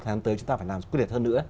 lần tới chúng ta phải làm quyết liệt hơn nữa